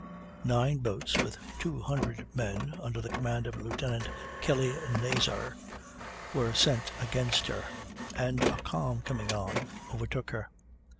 Nine boats, with 200 men, under the command of Lieutenant Kelly Nazer were sent against her, and, a calm coming on, overtook her.